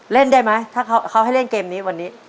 เล่นได้ไหมถ้าเขาให้เล่นเกมนี้วันนี้